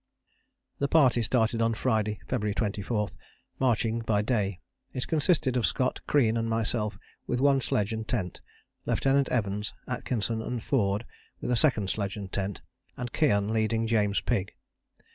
The party started on Friday, February 24, marching by day. It consisted of Scott, Crean and myself with one sledge and tent, Lieutenant Evans, Atkinson and Forde with a second sledge and tent, and Keohane leading James Pigg.